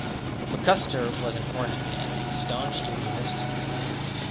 McCusker was an Orangeman and staunch Unionist.